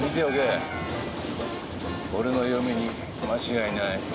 俺の読みに間違いない。